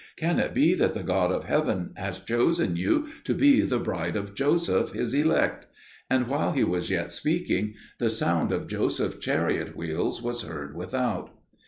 Can it be that the God of heaven has chosen you to be the bride of Joseph, His elect?" And while he was yet speaking, the sound of Joseph's chariot wheels was heard without.